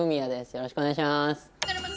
よろしくお願いします。